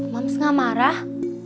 moms enggak marah